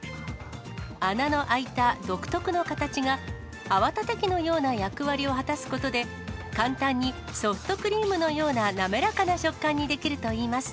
穴の開いた独特の形が、泡立て器のような役割を果たすことで、簡単にソフトクリームのような滑らかな食感にできるといいます。